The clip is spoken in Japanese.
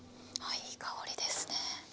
いい香りですね。